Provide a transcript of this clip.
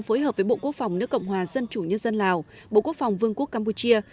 phối hợp với bộ quốc phòng nước cộng hòa dân chủ nhân dân lào bộ quốc phòng vương quốc campuchia